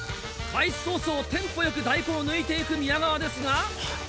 開始早々テンポよく大根を抜いていく宮川ですが。